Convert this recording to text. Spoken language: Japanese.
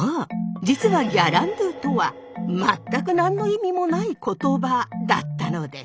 実はギャランドゥとは全く何の意味もない言葉だったのです！